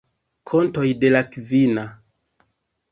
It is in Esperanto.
Kontoj de la Kvina.